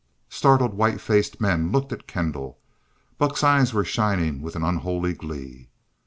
Startled, white faced men looked at Kendall. Buck's eyes were shining with an unholy glee.